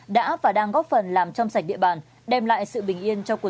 đã và đang góp phần làm trong xã lộc ninh